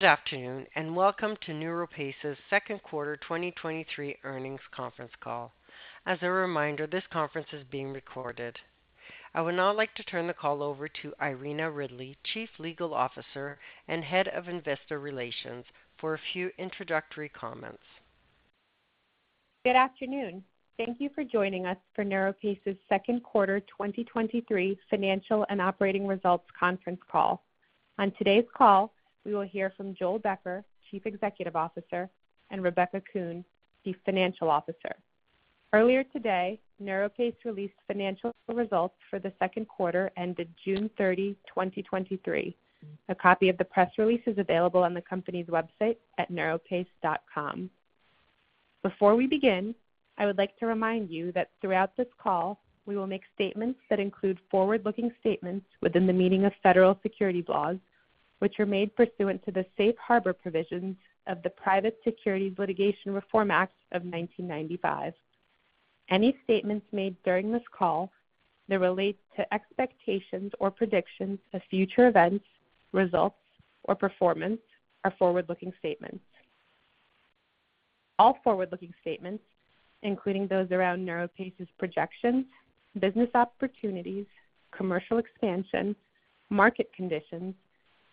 Good afternoon, welcome to NeuroPace's second quarter 2023 earnings conference call. As a reminder, this conference is being recorded. I would now like to turn the call over to Irina Ridley, Chief Legal Officer and Head of Investor Relations, for a few introductory comments. Good afternoon. Thank you for joining us for NeuroPace's second quarter 2023 financial and operating results conference call. On today's call, we will hear from Joel Becker, Chief Executive Officer, and Rebecca Kuhn, Chief Financial Officer. Earlier today, NeuroPace released financial results for the second quarter ended June 30, 2023. A copy of the press release is available on the company's website at neuropace.com. Before we begin, I would like to remind you that throughout this call, we will make statements that include forward-looking statements within the meaning of federal securities laws, which are made pursuant to the safe harbor provisions of the Private Securities Litigation Reform Act of 1995. Any statements made during this call that relate to expectations or predictions of future events, results, or performance are forward-looking statements. All forward-looking statements, including those around NeuroPace's projections, business opportunities, commercial expansion, market conditions,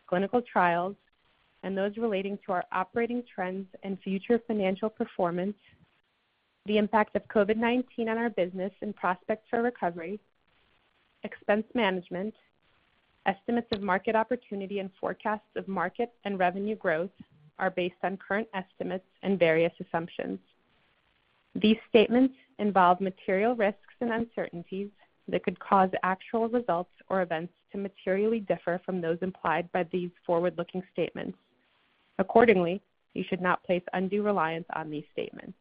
clinical trials, and those relating to our operating trends and future financial performance, the impact of COVID-19 on our business and prospects for recovery, expense management, estimates of market opportunity, and forecasts of market and revenue growth, are based on current estimates and various assumptions. These statements involve material risks and uncertainties that could cause actual results or events to materially differ from those implied by these forward-looking statements. Accordingly, you should not place undue reliance on these statements.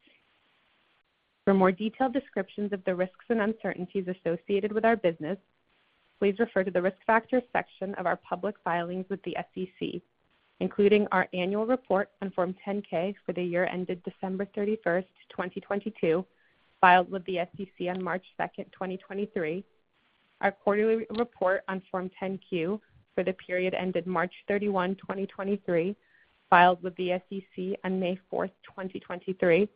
For more detailed descriptions of the risks and uncertainties associated with our business, please refer to the Risk Factors section of our public filings with the SEC, including our annual report on Form 10-K for the year ended December 31st, 2022, filed with the SEC on March 2nd, 2023, our quarterly report on Form 10-Q for the period ended March 31, 2023, filed with the SEC on May 4th, 2023,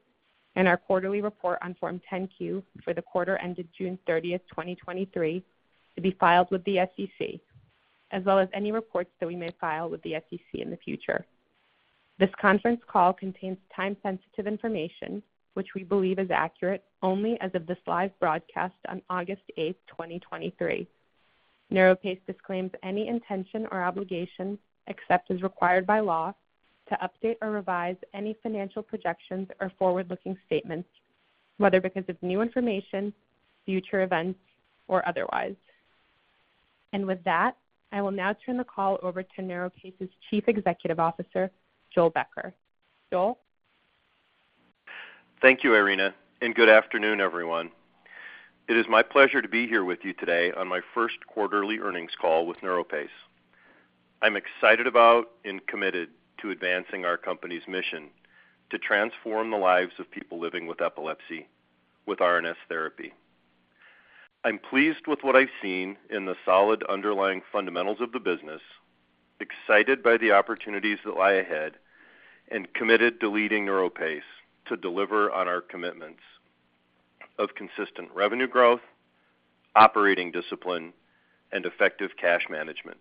and our quarterly report on Form 10-Q for the quarter ended June 30th, 2023, to be filed with the SEC, as well as any reports that we may file with the SEC in the future. This conference call contains time-sensitive information, which we believe is accurate only as of this live broadcast on August 8th, 2023. NeuroPace disclaims any intention or obligation, except as required by law, to update or revise any financial projections or forward-looking statements, whether because of new information, future events, or otherwise. With that, I will now turn the call over to NeuroPace's Chief Executive Officer, Joel Becker. Joel? Thank you, Irina. Good afternoon, everyone. It is my pleasure to be here with you today on my first quarterly earnings call with NeuroPace. I'm excited about and committed to advancing our company's mission to transform the lives of people living with epilepsy with RNS therapy. I'm pleased with what I've seen in the solid underlying fundamentals of the business, excited by the opportunities that lie ahead, and committed to leading NeuroPace to deliver on our commitments of consistent revenue growth, operating discipline, and effective cash management.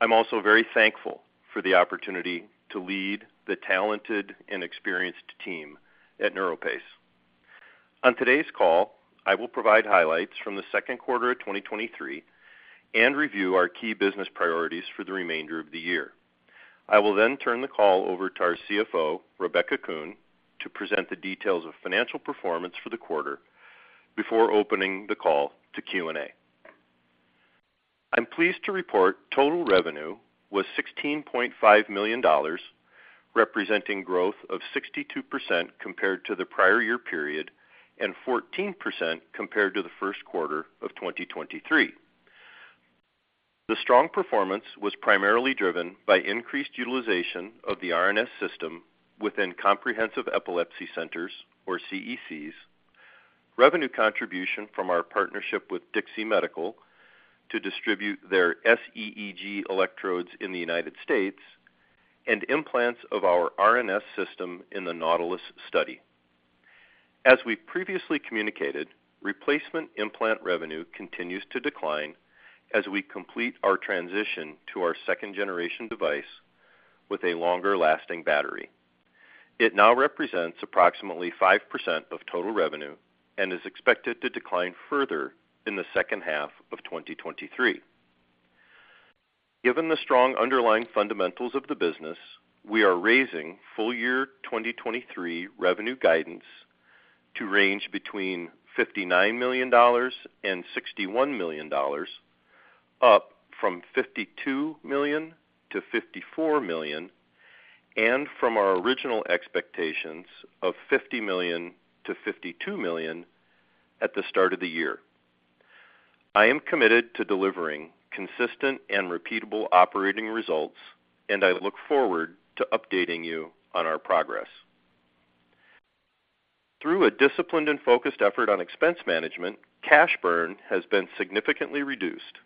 I'm also very thankful for the opportunity to lead the talented and experienced team at NeuroPace. On today's call, I will provide highlights from the second quarter of 2023 and review our key business priorities for the remainder of the year. I will then turn the call over to our CFO, Rebecca Kuhn, to present the details of financial performance for the quarter before opening the call to Q&A. I'm pleased to report total revenue was $16.5 million, representing growth of 62% compared to the prior year period and 14% compared to the first quarter of 2023. The strong performance was primarily driven by increased utilization of the RNS System within comprehensive epilepsy centers, or CECs, revenue contribution from our partnership with DIXI Medical to distribute their SEEG electrodes in the United States, and implants of our RNS System in the NAUTILUS study. As we previously communicated, replacement implant revenue continues to decline as we complete our transition to our second-generation device with a longer-lasting battery. It now represents approximately 5% of total revenue and is expected to decline further in the second half of 2023. Given the strong underlying fundamentals of the business, we are raising full year 2023 revenue guidance to range between $59 million and $61 million, up from $52 million to $54 million, and from our original expectations of $50 million to $52 million at the start of the year. I am committed to delivering consistent and repeatable operating results. I look forward to updating you on our progress. Through a disciplined and focused effort on expense management, cash burn has been significantly reduced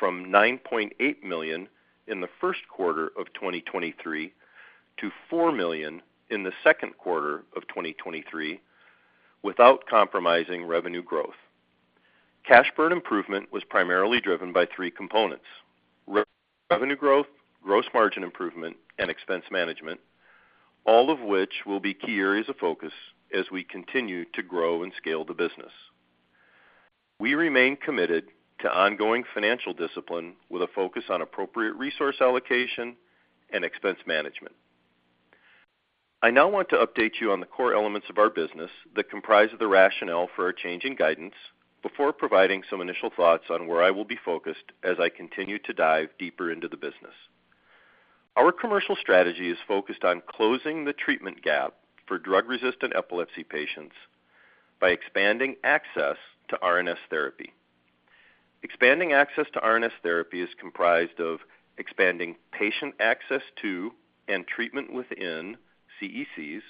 from $9.8 million in the first quarter of 2023 to $4 million in the second quarter of 2023, without compromising revenue growth. Cash burn improvement was primarily driven by three components: revenue growth, gross margin improvement, and expense management, all of which will be key areas of focus as we continue to grow and scale the business. We remain committed to ongoing financial discipline with a focus on appropriate resource allocation and expense management. I now want to update you on the core elements of our business that comprise the rationale for our change in guidance before providing some initial thoughts on where I will be focused as I continue to dive deeper into the business. Our commercial strategy is focused on closing the treatment gap for drug-resistant epilepsy patients by expanding access to RNS therapy. Expanding access to RNS therapy is comprised of expanding patient access to and treatment within CECs,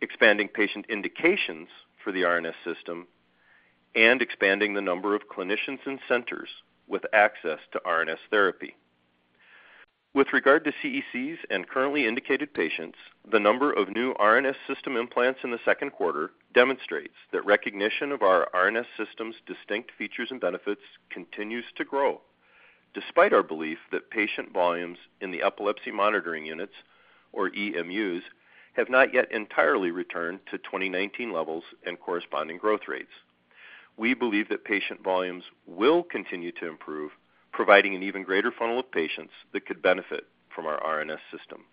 expanding patient indications for the RNS System, and expanding the number of clinicians and centers with access to RNS therapy. With regard to CECs and currently indicated patients, the number of new RNS System implants in the second quarter demonstrates that recognition of our RNS System's distinct features and benefits continues to grow, despite our belief that patient volumes in the epilepsy monitoring units, or EMUs, have not yet entirely returned to 2019 levels and corresponding growth rates. We believe that patient volumes will continue to improve, providing an even greater funnel of patients that could benefit from our RNS System.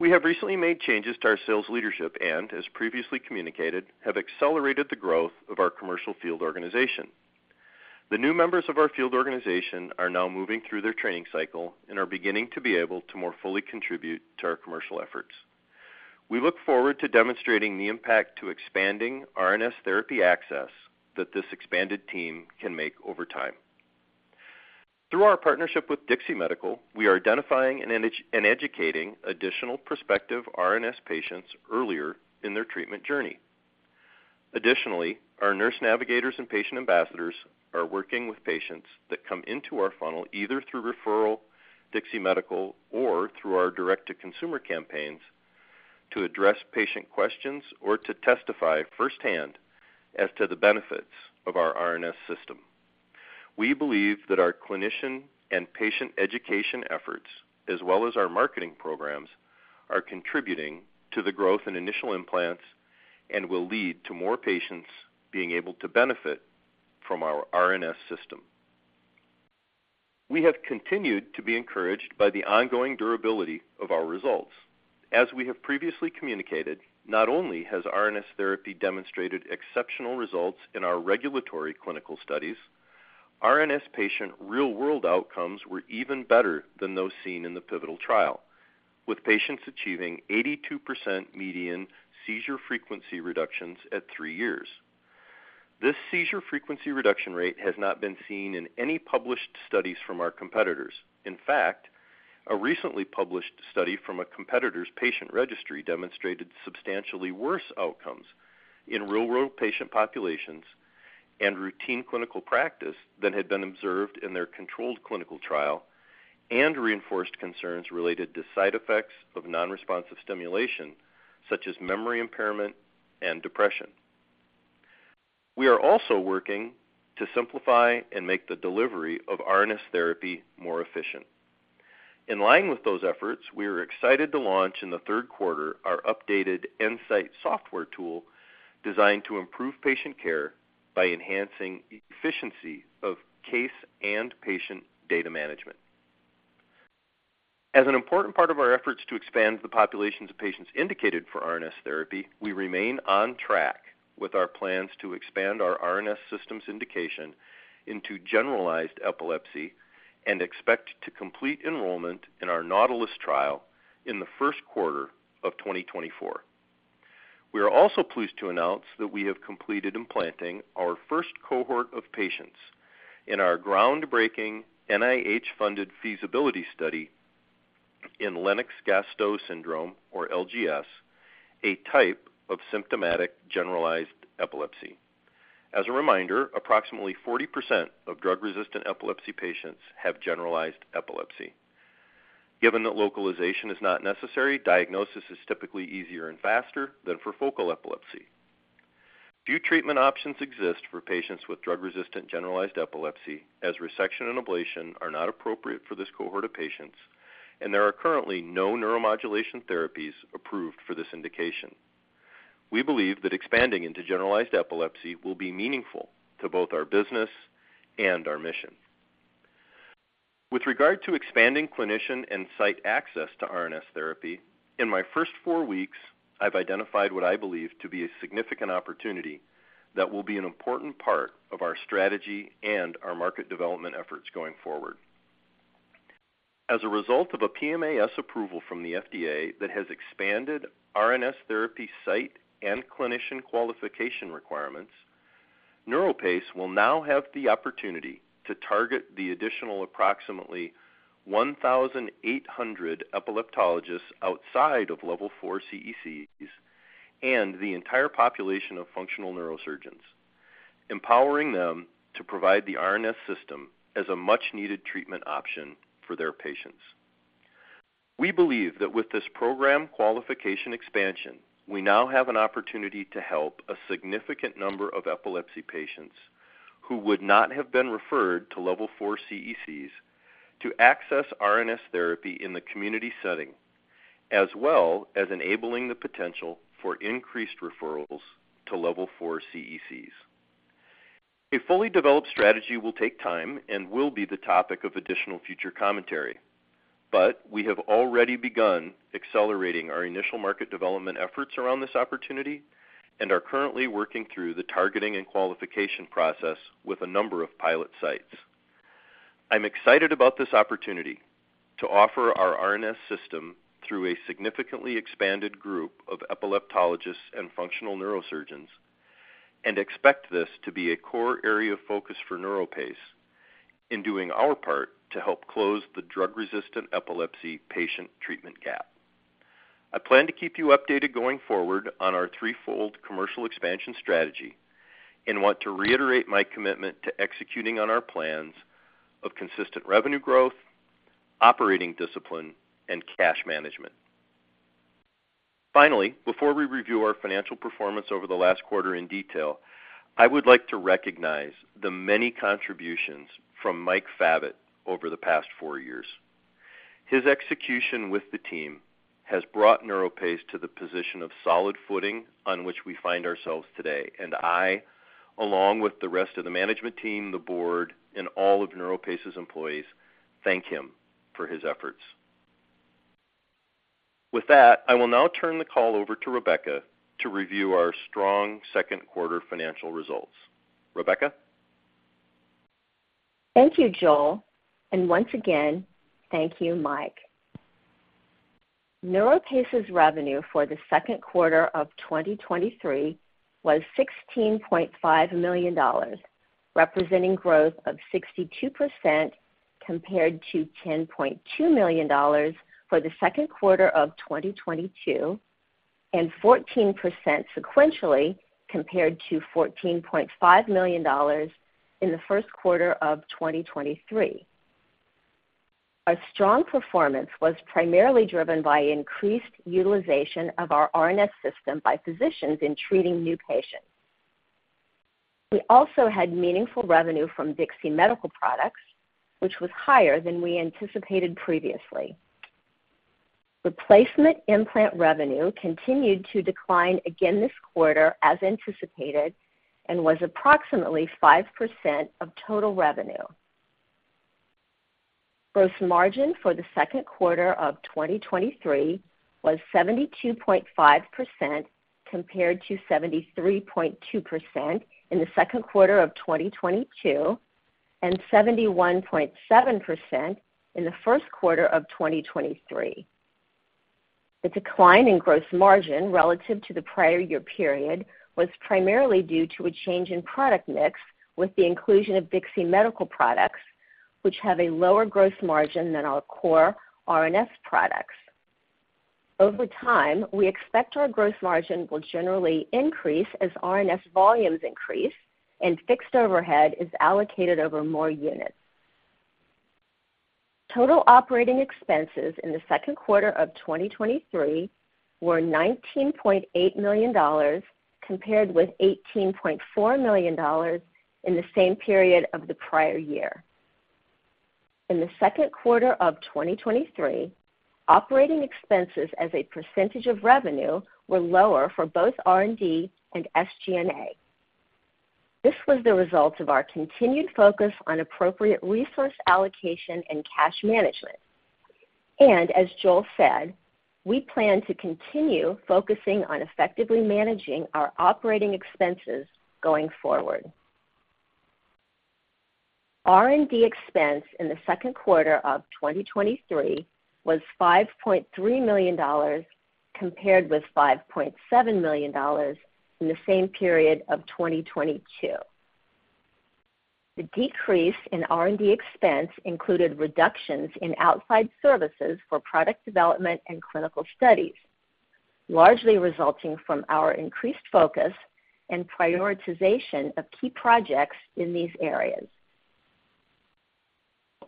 We have recently made changes to our sales leadership and, as previously communicated, have accelerated the growth of our commercial field organization. The new members of our field organization are now moving through their training cycle and are beginning to be able to more fully contribute to our commercial efforts. We look forward to demonstrating the impact to expanding RNS therapy access that this expanded team can make over time. Through our partnership with DIXI Medical, we are identifying and educating additional prospective RNS patients earlier in their treatment journey. Additionally, our nurse navigators and patient ambassadors are working with patients that come into our funnel, either through referral, DIXI Medical, or through our direct-to-consumer campaigns, to address patient questions or to testify firsthand as to the benefits of our RNS System. We believe that our clinician and patient education efforts, as well as our marketing programs, are contributing to the growth in initial implants and will lead to more patients being able to benefit from our RNS System. We have continued to be encouraged by the ongoing durability of our results. As we have previously communicated, not only has RNS therapy demonstrated exceptional results in our regulatory clinical studies, RNS patient real-world outcomes were even better than those seen in the pivotal trial, with patients achieving 82% median seizure frequency reductions at 3 years. This seizure frequency reduction rate has not been seen in any published studies from our competitors. In fact, a recently published study from a competitor's patient registry demonstrated substantially worse outcomes in real-world patient populations and routine clinical practice than had been observed in their controlled clinical trial and reinforced concerns related to side effects of non-responsive stimulation, such as memory impairment and depression. We are also working to simplify and make the delivery of RNS therapy more efficient. In line with those efforts, we are excited to launch in the third quarter our updated nSight software tool, designed to improve patient care by enhancing the efficiency of case and patient data management. As an important part of our efforts to expand the populations of patients indicated for RNS therapy, we remain on track with our plans to expand our RNS System indication into generalized epilepsy and expect to complete enrollment in our NAUTILUS trial in the first quarter of 2024. We are also pleased to announce that we have completed implanting our first cohort of patients in our groundbreaking NIH-funded feasibility study in Lennox-Gastaut syndrome, or LGS, a type of symptomatic generalized epilepsy. As a reminder, approximately 40% of drug-resistant epilepsy patients have generalized epilepsy. Given that localization is not necessary, diagnosis is typically easier and faster than for focal epilepsy. Few treatment options exist for patients with drug-resistant generalized epilepsy, as resection and ablation are not appropriate for this cohort of patients, and there are currently no neuromodulation therapies approved for this indication. We believe that expanding into generalized epilepsy will be meaningful to both our business and our mission. With regard to expanding clinician and site access to RNS therapy, in my first four weeks, I've identified what I believe to be a significant opportunity that will be an important part of our strategy and our market development efforts going forward. As a result of a PMA-S approval from the FDA that has expanded RNS therapy site and clinician qualification requirements-... NeuroPace will now have the opportunity to target the additional approximately 1,800 epileptologists outside of Level 4 CECs, and the entire population of functional neurosurgeons, empowering them to provide the RNS System as a much-needed treatment option for their patients. We believe that with this program qualification expansion, we now have an opportunity to help a significant number of epilepsy patients who would not have been referred to Level 4 CECs to access RNS therapy in the community setting, as well as enabling the potential for increased referrals to Level 4 CECs. A fully developed strategy will take time and will be the topic of additional future commentary. We have already begun accelerating our initial market development efforts around this opportunity and are currently working through the targeting and qualification process with a number of pilot sites. I'm excited about this opportunity to offer our RNS System through a significantly expanded group of epileptologists and functional neurosurgeons, and expect this to be a core area of focus for NeuroPace in doing our part to help close the drug-resistant epilepsy patient treatment gap. I plan to keep you updated going forward on our threefold commercial expansion strategy and want to reiterate my commitment to executing on our plans of consistent revenue growth, operating discipline, and cash management. Finally, before we review our financial performance over the last quarter in detail, I would like to recognize the many contributions from Mike Favret over the past 4 years. His execution with the team has brought NeuroPace to the position of solid footing on which we find ourselves today, and I, along with the rest of the management team, the board, and all of NeuroPace's employees, thank him for his efforts. With that, I will now turn the call over to Rebecca to review our strong second quarter financial results. Rebecca? Thank you, Joel, and once again, thank you, Mike. NeuroPace's revenue for the second quarter of 2023 was $16.5 million, representing growth of 62% compared to $10.2 million for the second quarter of 2022, and 14% sequentially compared to $14.5 million in the first quarter of 2023. Our strong performance was primarily driven by increased utilization of our RNS System by physicians in treating new patients. We also had meaningful revenue from DIXI Medical Products, which was higher than we anticipated previously. Replacement implant revenue continued to decline again this quarter, as anticipated, and was approximately 5% of total revenue. Gross margin for the second quarter of 2023 was 72.5%, compared to 73.2% in the second quarter of 2022 and 71.7% in the first quarter of 2023. The decline in gross margin relative to the prior year period was primarily due to a change in product mix, with the inclusion of DIXI Medical Products, which have a lower gross margin than our core RNS products. Over time, we expect our gross margin will generally increase as RNS volumes increase and fixed overhead is allocated over more units. Total operating expenses in the second quarter of 2023 were $19.8 million, compared with $18.4 million in the same period of the prior year. In the second quarter of 2023, operating expenses as a percentage of revenue were lower for both R&D and SG&A. This was the result of our continued focus on appropriate resource allocation and cash management. As Joel said, we plan to continue focusing on effectively managing our operating expenses going forward. R&D expense in the second quarter of 2023 was $5.3 million, compared with $5.7 million in the same period of 2022. The decrease in R&D expense included reductions in outside services for product development and clinical studies, largely resulting from our increased focus and prioritization of key projects in these areas.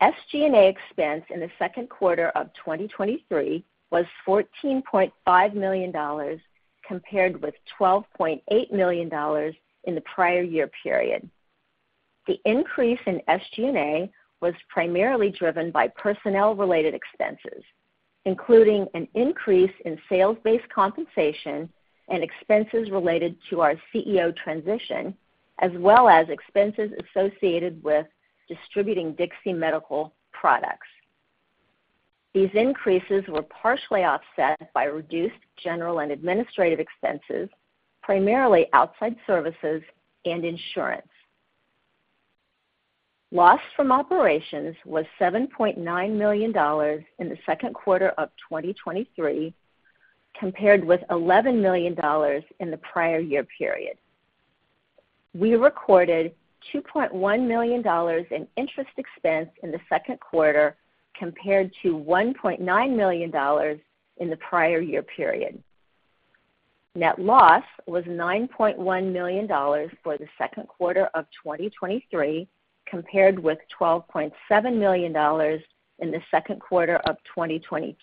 SG&A expense in the second quarter of 2023 was $14.5 million, compared with $12.8 million in the prior year period. The increase in SG&A was primarily driven by personnel-related expenses, including an increase in sales-based compensation and expenses related to our CEO transition, as well as expenses associated with distributing DIXI Medical Products. These increases were partially offset by reduced general and administrative expenses, primarily outside services and insurance. Loss from operations was $7.9 million in the second quarter of 2023, compared with $11 million in the prior year period. We recorded $2.1 million in interest expense in the second quarter, compared to $1.9 million in the prior year period. Net loss was $9.1 million for the second quarter of 2023, compared with $12.7 million in the second quarter of 2022.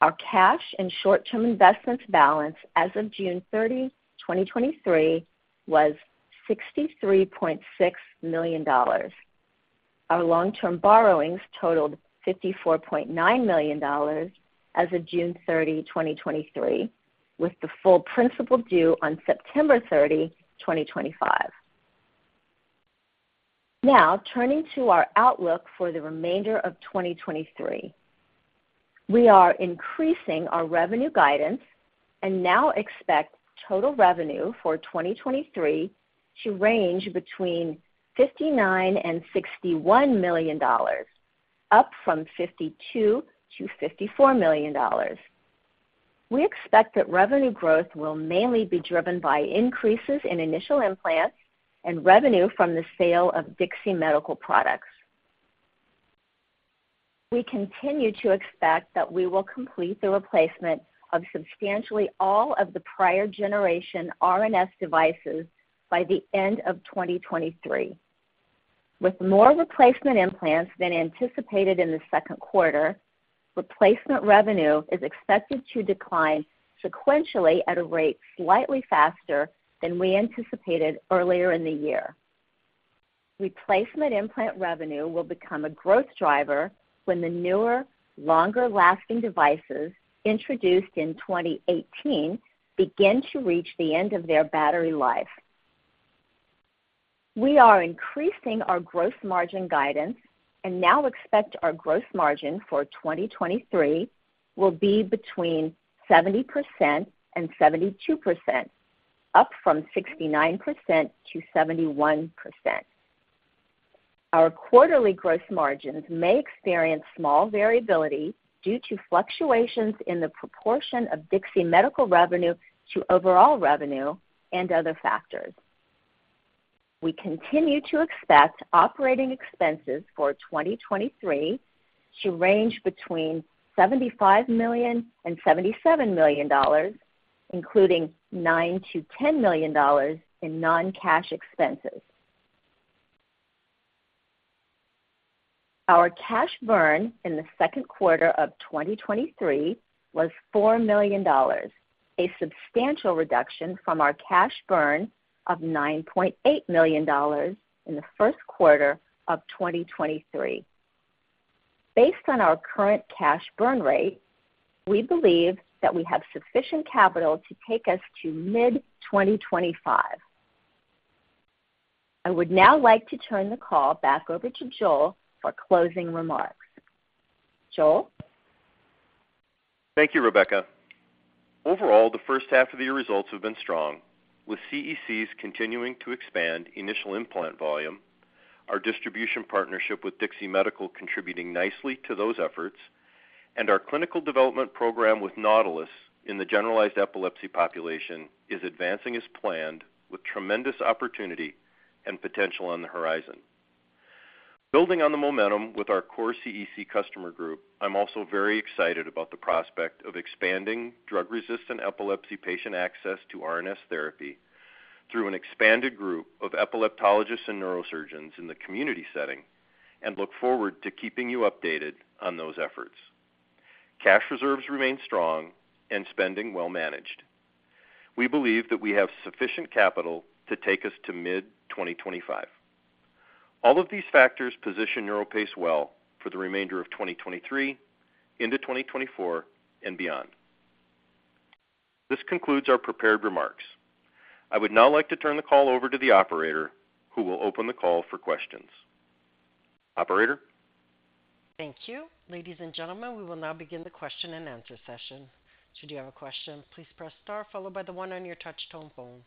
Our cash and short-term investments balance as of June 30, 2023, was $63.6 million. Our long-term borrowings totaled $54.9 million as of June 30, 2023, with the full principal due on September 30, 2025. Turning to our outlook for the remainder of 2023. We are increasing our revenue guidance and now expect total revenue for 2023 to range between $59 million and $61 million, up from $52 million-$54 million. We expect that revenue growth will mainly be driven by increases in initial implants and revenue from the sale of DIXI Medical Products. We continue to expect that we will complete the replacement of substantially all of the prior generation RNS devices by the end of 2023. With more replacement implants than anticipated in the second quarter, replacement revenue is expected to decline sequentially at a rate slightly faster than we anticipated earlier in the year. Replacement implant revenue will become a growth driver when the newer, longer-lasting devices introduced in 2018 begin to reach the end of their battery life. We are increasing our growth margin guidance and now expect our growth margin for 2023 will be between 70%-72%, up from 69%-71%. Our quarterly growth margins may experience small variability due to fluctuations in the proportion of DIXI Medical revenue to overall revenue and other factors. We continue to expect operating expenses for 2023 to range between $75 million-$77 million, including $9 million-$10 million in non-cash expenses. Our cash burn in the second quarter of 2023 was $4 million, a substantial reduction from our cash burn of $9.8 million in the first quarter of 2023. Based on our current cash burn rate, we believe that we have sufficient capital to take us to mid-2025. I would now like to turn the call back over to Joel for closing remarks. Joel? Thank you, Rebecca. Overall, the first half of the year results have been strong, with CECs continuing to expand initial implant volume, our distribution partnership with DIXI Medical contributing nicely to those efforts, and our clinical development program with NAUTILUS in the generalized epilepsy population is advancing as planned, with tremendous opportunity and potential on the horizon. Building on the momentum with our core CEC customer group, I'm also very excited about the prospect of expanding drug-resistant epilepsy patient access to RNS therapy through an expanded group of epileptologists and neurosurgeons in the community setting, and look forward to keeping you updated on those efforts. Cash reserves remain strong and spending well managed. We believe that we have sufficient capital to take us to mid-2025. All of these factors position NeuroPace well for the remainder of 2023, into 2024 and beyond. This concludes our prepared remarks. I would now like to turn the call over to the operator, who will open the call for questions. Operator? Thank you. Ladies and gentlemen, we will now begin the question-and-answer session. Should you have a question, please press star followed by the 1 on your touch tone phone.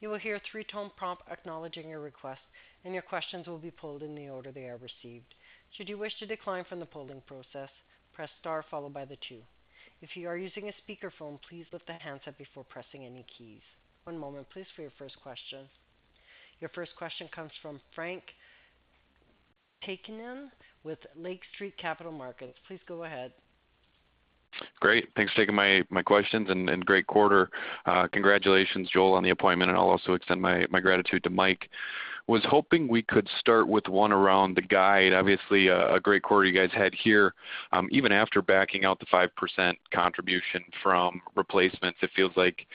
You will hear a 3-tone prompt acknowledging your request, and your questions will be pulled in the order they are received. Should you wish to decline from the polling process, press star followed by the 2. If you are using a speakerphone, please lift the handset before pressing any keys. One moment, please, for your first question. Your first question comes from Frank Takkinen with Lake Street Capital Markets. Please go ahead. Great. Thanks for taking my, my questions and, and great quarter. Congratulations, Joel, on the appointment, and I'll also extend my, my gratitude to Mike. Was hoping we could start with one around the guide. Obviously, a, a great quarter you guys had here. Even after backing out the 5% contribution from replacements, it feels like,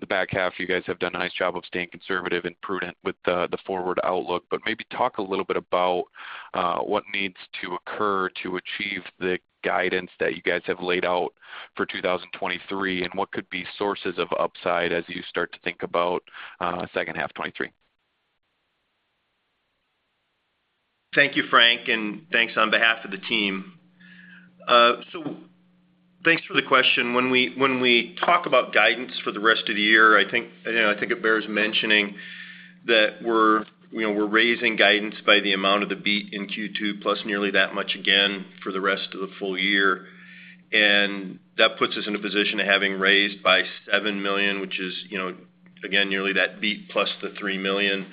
the back half of you guys have done a nice job of staying conservative and prudent with the, the forward outlook. Maybe talk a little bit about, what needs to occur to achieve the guidance that you guys have laid out for 2023, and what could be sources of upside as you start to think about, second half 2023? ...Thank you, Frank, and thanks on behalf of the team. Thanks for the question. When we, when we talk about guidance for the rest of the year, I think, you know, I think it bears mentioning that we're, you know, we're raising guidance by the amount of the beat in Q2, plus nearly that much again for the rest of the full year. That puts us in a position of having raised by $7 million, which is, you know, again, nearly that beat plus the $3 million.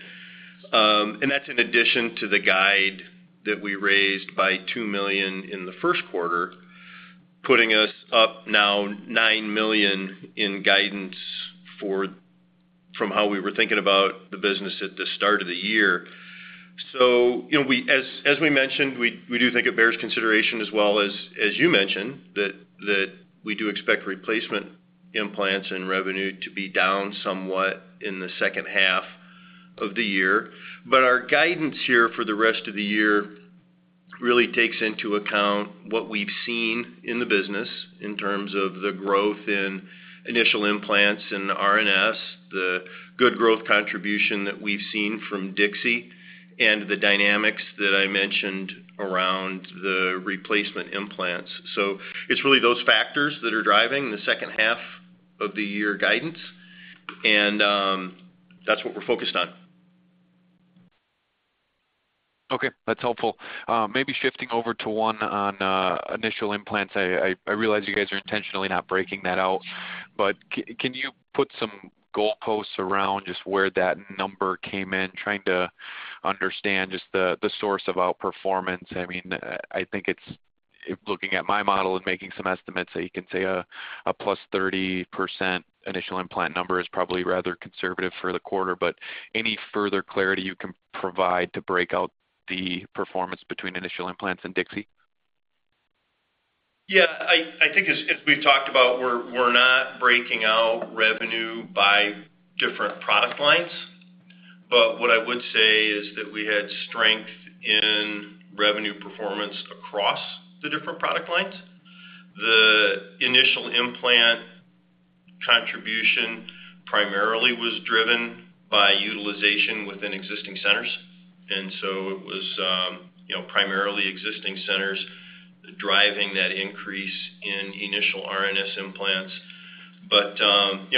That's in addition to the guide that we raised by $2 million in the first quarter, putting us up now $9 million in guidance from how we were thinking about the business at the start of the year. You know, we, as, as we mentioned, we, we do think it bears consideration as well as, as you mentioned, that, that we do expect replacement implants and revenue to be down somewhat in the second half of the year. Our guidance here for the rest of the year really takes into account what we've seen in the business in terms of the growth in initial implants and RNS, the good growth contribution that we've seen from DIXI, and the dynamics that I mentioned around the replacement implants. It's really those factors that are driving the second half of the year guidance, and that's what we're focused on. Okay, that's helpful. Maybe shifting over to one on initial implants. I realize you guys are intentionally not breaking that out, can you put some goalposts around just where that number came in? Trying to understand just the source of outperformance. I mean, I think it's, looking at my model and making some estimates, that you can say a +30% initial implant number is probably rather conservative for the quarter. Any further clarity you can provide to break out the performance between initial implants and DIXI? Yeah, I, I think as, as we've talked about, we're, we're not breaking out revenue by different product lines. What I would say is that we had strength in revenue performance across the different product lines. The initial implant contribution primarily was driven by utilization within existing centers, and so it was, you know, primarily existing centers driving that increase in initial RNS implants. You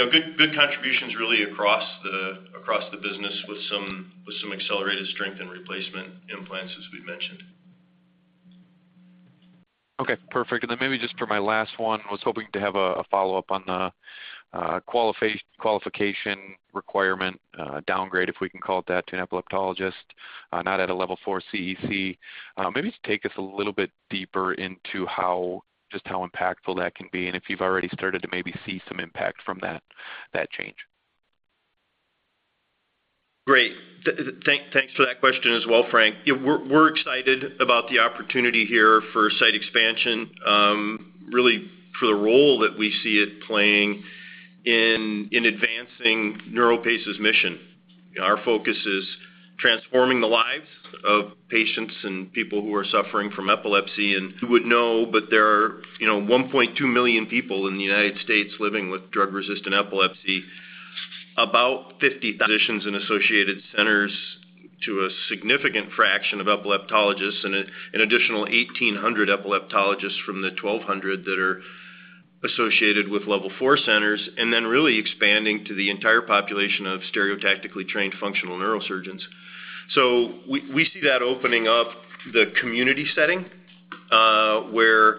know, good, good contributions really across the, across the business with some, with some accelerated strength and replacement implants, as we've mentioned. Okay, perfect. Then maybe just for my last one, I was hoping to have a follow-up on the qualification requirement downgrade, if we can call it that, to an epileptologist not at a Level 4 CEC. Maybe just take us a little bit deeper into how, just how impactful that can be and if you've already started to maybe see some impact from that, that change? Great. Thanks for that question as well, Frank. Yeah, we're excited about the opportunity here for site expansion, really for the role that we see it playing in, in advancing NeuroPace's mission. Our focus is transforming the lives of patients and people who are suffering from epilepsy. You would know, but there are, you know, 1.2 million people in the United States living with drug-resistant epilepsy, about 50 physicians and associated centers to a significant fraction of epileptologists, and an additional 1,800 epileptologists from the 1,200 that are associated with Level 4 centers, and then really expanding to the entire population of stereotactically trained functional neurosurgeons. We, we see that opening up the community setting, where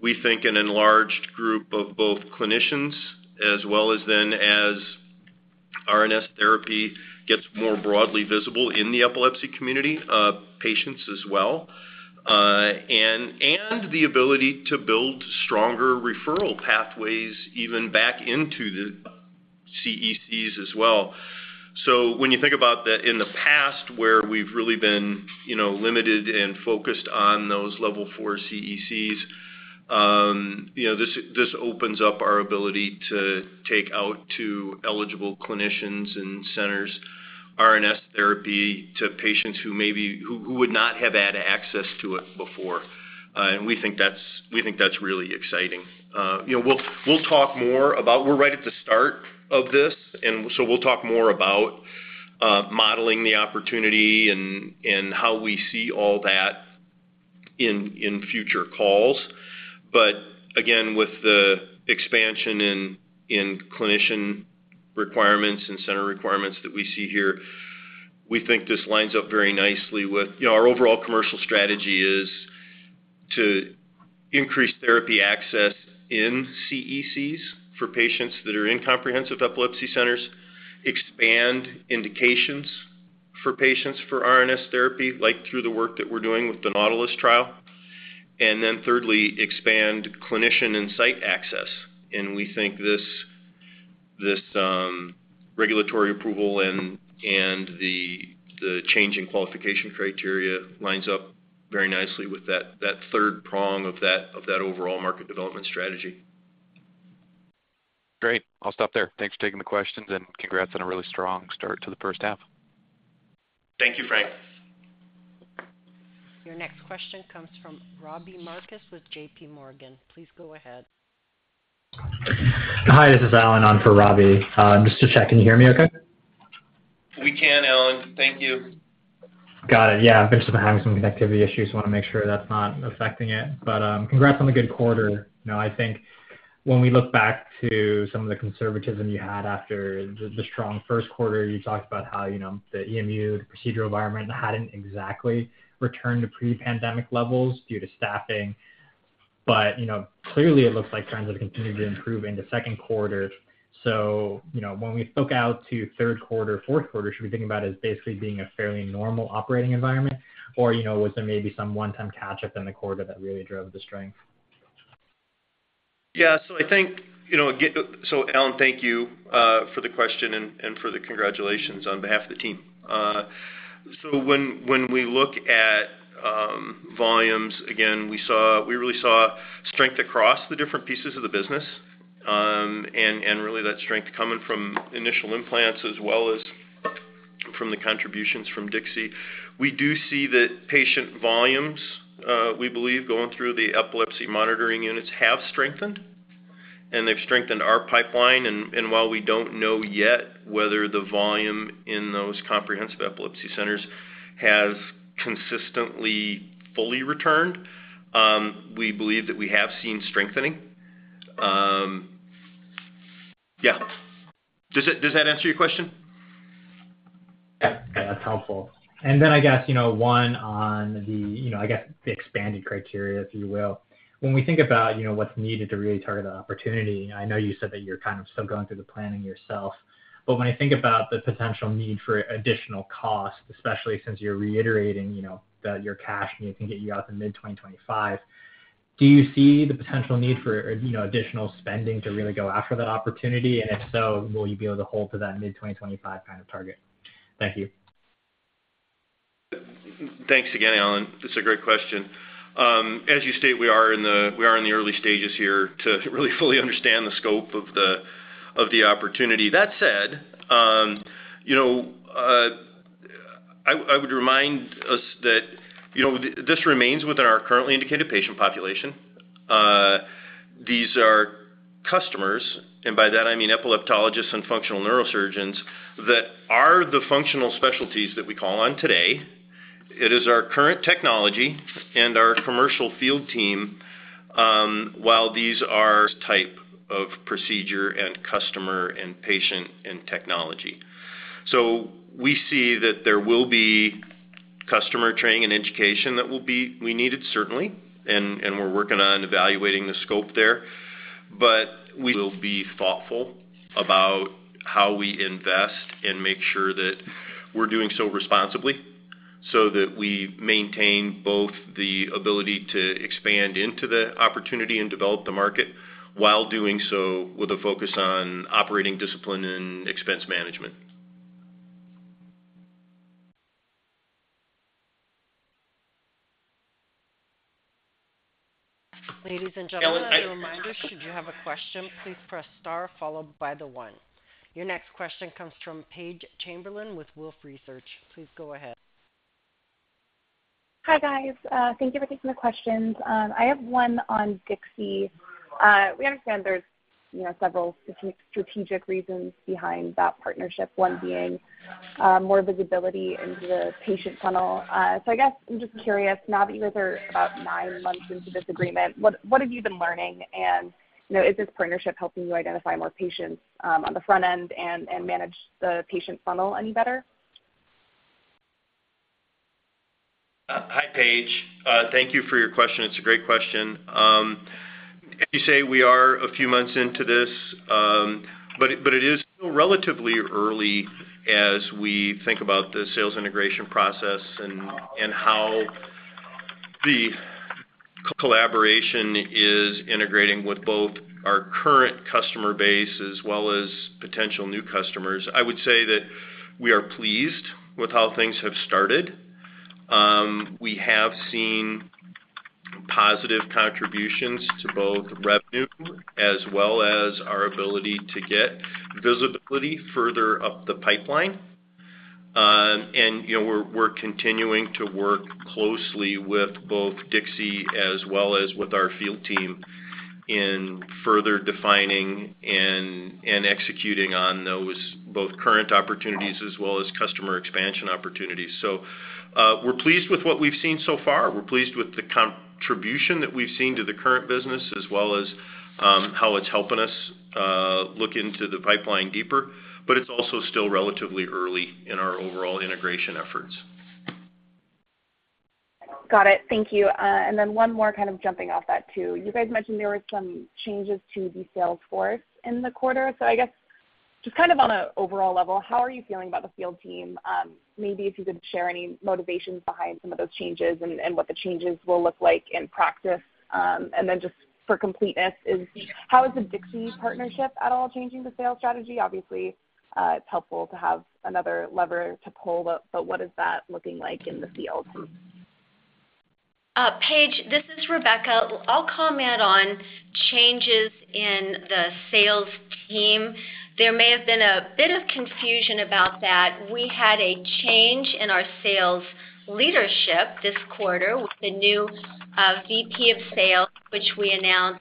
we think an enlarged group of both clinicians as well as then as RNS therapy gets more broadly visible in the epilepsy community, patients as well, and, and the ability to build stronger referral pathways even back into the CECs as well. When you think about the, in the past, where we've really been, you know, limited and focused on those Level 4 CECs, you know, this, this opens up our ability to take out to eligible clinicians and centers, RNS therapy to patients who maybe, who, who would not have had access to it before. And we think that's, we think that's really exciting. You know, we'll, we'll talk more about... We're right at the start of this, and so we'll talk more about, modeling the opportunity and, and how we see all that in, in future calls. But again, with the expansion in, in clinician requirements and center requirements that we see here, we think this lines up very nicely with, You know, our overall commercial strategy is to increase therapy access in CECs for patients that are in comprehensive epilepsy centers, expand indications for patients for RNS therapy, like through the work that we're doing with the NAUTILUS trial, and then thirdly, expand clinician and site access. And we think this, this regulatory approval and, and the, the change in qualification criteria lines up very nicely with that, that third prong of that, of that overall market development strategy. Great. I'll stop there. Thanks for taking the questions, and congrats on a really strong start to the first half. Thank you, Frank. Your next question comes from Robbie Marcus with J.P. Morgan. Please go ahead. Hi, this is Alan on for Robbie. Just to check, can you hear me okay? We can, Alan. Thank you. Got it. Yeah, I've just been having some connectivity issues. Want to make sure that's not affecting it. Congrats on the good quarter. You know, I think when we look back to some of the conservatism you had after the, the strong first quarter, you talked about how, you know, the EMU, the procedural environment, hadn't exactly returned to pre-pandemic levels due to staffing. You know, clearly it looks like trends have continued to improve in the second quarter. You know, when we look out to third quarter, fourth quarter, should we think about it as basically being a fairly normal operating environment, or, you know, was there maybe some one-time catch-up in the quarter that really drove the strength? Yeah. I think, you know, Alan, thank you for the question and for the congratulations on behalf of the team. When we look at volumes, again, we really saw strength across the different pieces of the business. Really that strength coming from initial implants as well as from the contributions from DIXI Medical. We do see that patient volumes, we believe, going through the epilepsy monitoring units have strengthened, and they've strengthened our pipeline. While we don't know yet whether the volume in those comprehensive epilepsy centers has consistently fully returned, we believe that we have seen strengthening. Yeah. Does that answer your question? Yeah, that's helpful. Then I guess, you know, one on the, you know, I guess, the expanded criteria, if you will. When we think about, you know, what's needed to really target an opportunity, I know you said that you're kind of still going through the planning yourself, but when I think about the potential need for additional cost, especially since you're reiterating, you know, that your cash need can get you out to mid-2025, do you see the potential need for, you know, additional spending to really go after that opportunity? If so, will you be able to hold to that mid-2025 kind of target? Thank you. Thanks again, Alan. That's a great question. As you state, we are in the early stages here to really fully understand the scope of the opportunity. That said, you know, I, I would remind us that, you know, this remains within our currently indicated patient population. These are customers, and by that I mean epileptologists and functional neurosurgeons, that are the functional specialties that we call on today. It is our current technology and our commercial field team, while these are type of procedure and customer and patient and technology. We see that there will be customer training and education that will be needed, certainly, and we're working on evaluating the scope there. We will be thoughtful about how we invest and make sure that we're doing so responsibly, so that we maintain both the ability to expand into the opportunity and develop the market, while doing so with a focus on operating discipline and expense management. Ladies and gentlemen. Alan. a reminder, should you have a question, please press star followed by the 1. Your next question comes from Paige Chamberlain with Wolfe Research. Please go ahead. Hi, guys. Thank you for taking the questions. I have one on DIXI. We understand there's, you know, several strategic, strategic reasons behind that partnership, one being, more visibility into the patient funnel. I guess I'm just curious, now that you guys are about 9 months into this agreement, what, what have you been learning? You know, is this partnership helping you identify more patients, on the front end and, and manage the patient funnel any better? Hi, Paige. Thank you for your question. It's a great question. As you say, we are a few months into this, but it is still relatively early as we think about the sales integration process and how the collaboration is integrating with both our current customer base as well as potential new customers. I would say that we are pleased with how things have started. We have seen positive contributions to both revenue as well as our ability to get visibility further up the pipeline. You know, we're continuing to work closely with both DIXI Medical as well as with our field team in further defining and executing on those, both current opportunities as well as customer expansion opportunities. We're pleased with what we've seen so far. We're pleased with the contribution that we've seen to the current business, as well as, how it's helping us, look into the pipeline deeper. It's also still relatively early in our overall integration efforts. Got it. Thank you. Then one more kind of jumping off that, too. You guys mentioned there were some changes to the sales force in the quarter. I guess, just kind of on an overall level, how are you feeling about the field team? Maybe if you could share any motivations behind some of those changes and, what the changes will look like in practice. Then just for completeness, is the... How is the DIXI partnership at all changing the sales strategy? Obviously, it's helpful to have another lever to pull, but what is that looking like in the field? Paige, this is Rebecca. I'll comment on changes in the sales team. There may have been a bit of confusion about that. We had a change in our sales leadership this quarter with a new VP of sales, which we announced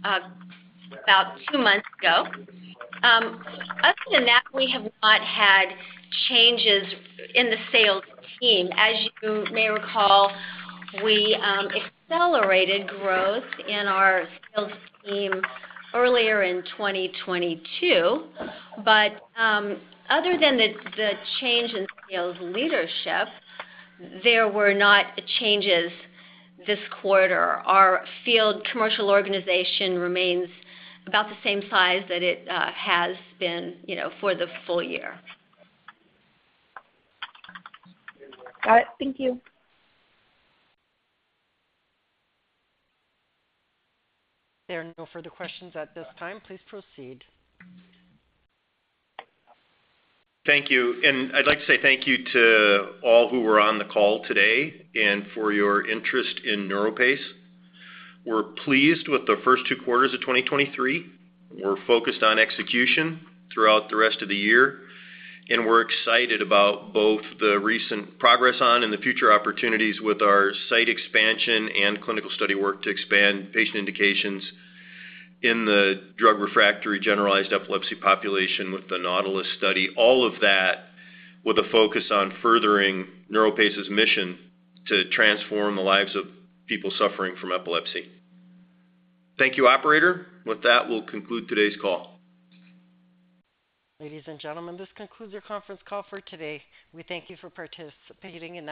about 2 months ago. Other than that, we have not had changes in the sales team. As you may recall, we accelerated growth in our sales team earlier in 2022. Other than the change in sales leadership, there were not changes this quarter. Our field commercial organization remains about the same size that it has been, you know, for the full year. Got it. Thank you. There are no further questions at this time. Please proceed. Thank you. I'd like to say thank you to all who were on the call today and for your interest in NeuroPace. We're pleased with the first two quarters of 2023. We're focused on execution throughout the rest of the year, and we're excited about both the recent progress on and the future opportunities with our site expansion and clinical study work to expand patient indications in the drug-refractory, generalized epilepsy population with the NAUTILUS study. All of that with a focus on furthering NeuroPace's mission to transform the lives of people suffering from epilepsy. Thank you, operator. With that, we'll conclude today's call. Ladies and gentlemen, this concludes your conference call for today. We thank you for participating and-